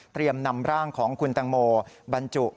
เตรียมนำร่างของคุณแตงโมบรรจุ